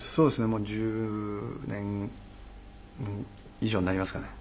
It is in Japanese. もう１０年以上になりますかね。